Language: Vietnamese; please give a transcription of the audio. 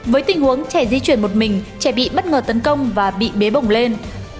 với tình huống trẻ di chuyển một mình trẻ bị bất ngờ tấn công và bị bế bổng lên